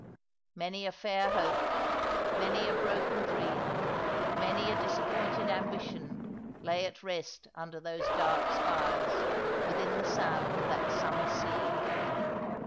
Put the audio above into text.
Many a fair hope, many a broken dream, many a disappointed ambition lay at rest under those dark spires, within the sound of that summer sea.